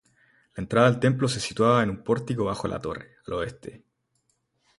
La entrada al templo se situaba en un pórtico bajo la torre, al oeste.